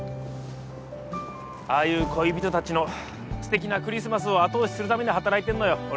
ああいう恋人たちのすてきなクリスマスを後押しするために働いてんのよ